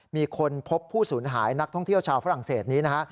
มีคนพบผู้สูญหายนักท่องเที่ยวชาวฝรั่งเศสนี้นะฮะ